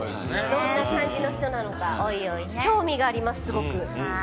どんな感じの人なのか興味がありますすごく。